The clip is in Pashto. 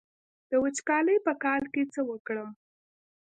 د وچکالۍ په کال کې څه وکړم؟